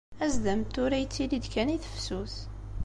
Azdam n tura yettili-d kan i tefsut.